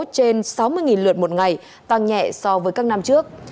trên sáu mươi lượt một ngày tăng nhẹ so với các năm trước